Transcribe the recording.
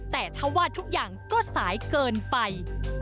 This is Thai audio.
แต่ถ้าว่าทุกอย่างก็สายเกินไป